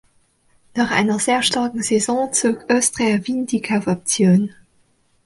Nach einer sehr starken Saison zog Austria Wien die Kaufoption.